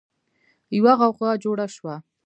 يوه غوغا جوړه شوه.